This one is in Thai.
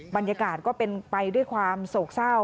บรรยากาศก็เป็นไปด้วยความโศกเศร้า